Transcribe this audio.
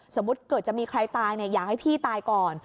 สมมุติเกิดจะมีใครตายอยากให้พี่ตายก่อน